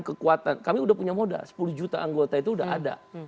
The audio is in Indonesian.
kekuatan kami sudah punya modal sepuluh juta anggota itu sudah ada